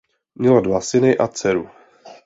Měla dva syny a dceru.